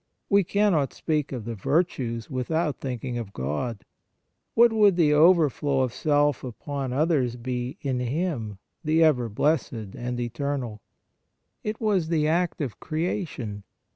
We cannot speak of the virtues without thinking of God. What would the over flow of self upon others be in Him, the Ever blessed and Eternal ? It was the act of creation.